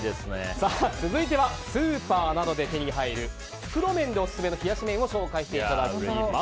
続いてはスーパーなどで手に入る袋麺でオススメの冷やし麺を紹介していただきます。